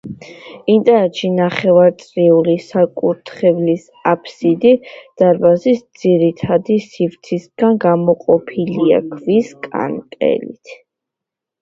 ინტერიერში ნახევარწრიული საკურთხევლის აფსიდი დარბაზის ძირითადი სივრცისგან გამოყოფილია ქვის კანკელით.